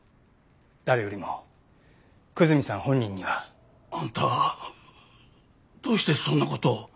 誰よりも久住さん本人には。あんたどうしてそんな事を。